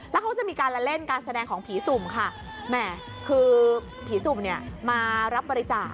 แล้วเขาจะมีการละเล่นการแสดงของผีสุ่มค่ะแหม่คือผีสุ่มเนี่ยมารับบริจาค